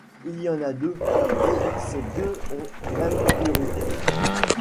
Il y en a deux, et ces deux ont même priorité.